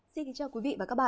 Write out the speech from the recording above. xin kính chào quý vị và các bạn